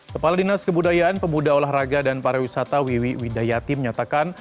kepala dinas kebudayaan pemuda olahraga dan pariwisata wiwi widayati menyatakan